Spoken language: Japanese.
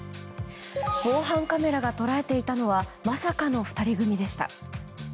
防犯カメラが捉えていたのはまさかの２人組でした。